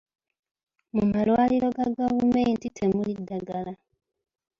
Mu malwaliro ga gavumenti temuli ddagala.